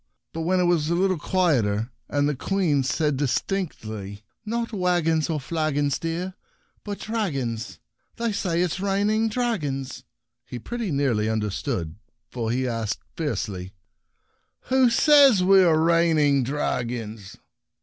But when it was a little quieter, and the Queen said distinctly, " Not waggons or flagons , dear— but dragons / They say it is rain ing dragons /" he pretty nearly understood, for he asked, fierce ly, " Who says we are reigning dragons